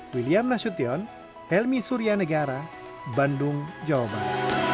william nasution helmi suryanegara bandung jawa barat